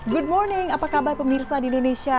good morning apa kabar pemirsa di indonesia